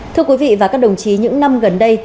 thưa quý vị và các đồng chí những năm gần đây